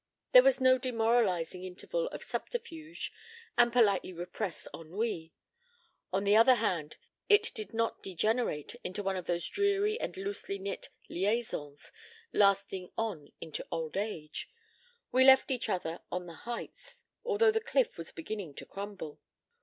There was no demoralizing interval of subterfuge and politely repressed ennui. On the other hand, it did not degenerate into one of those dreary and loosely knit liaisons, lasting on into old age. We left each other on the heights, although the cliff was beginning to crumble."